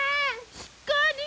しっかり。